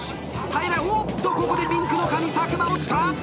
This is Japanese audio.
おっとここでピンクの髪佐久間落ちた！